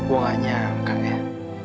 gue gak nyangka ya